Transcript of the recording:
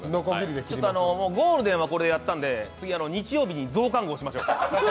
ゴールデンはこれでやったんで次日曜日に増刊号しましょうか。